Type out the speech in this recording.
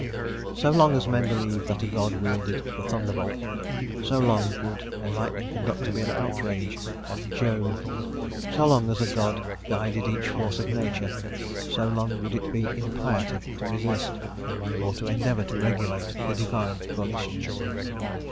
So long as men believed that a god wielded the thunderbolt, so long would a lightning conductor be an outrage on Jove; so long as a god guided each force of nature, so long would it be impiety to resist, or to endeavour to regulate the divine volitions.